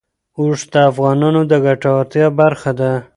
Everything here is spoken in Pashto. اوښ د افغانانو د ګټورتیا برخه ده.